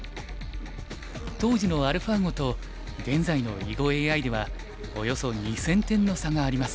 当時のアルファ碁と現在の囲碁ＡＩではおよそ２０００点の差があります。